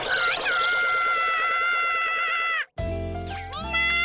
みんな！